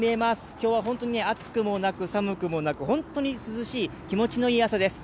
きょうは本当に暑くもなく寒くもなく、本当に涼しい、気持ちのいい朝です。